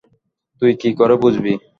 তুই কী করে বুঝবি?